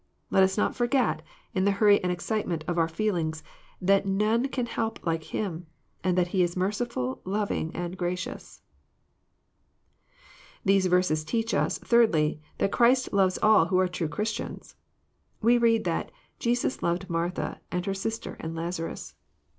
Let us not forget, in the hurry and excitement of our feel ings, that none can help like Him, and that He is merciful, loving, and gracious. These verses teach us, thirdly, that Christ hves^U who are true Christians. We read that " Jesus loved Martha, and her sister, and Lazarus."